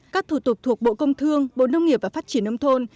các thủ tục thuộc bộ công thương bộ nông nghiệp và phát triển nông thôn